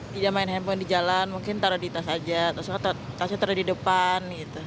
tidak main handphone di jalan mungkin taruh di tas aja terus taruh di depan